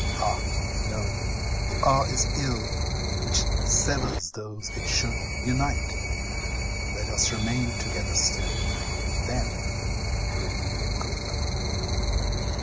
ah! no; the hour is ill Which severs those it should unite; Let us remain together still, Then it will be good night.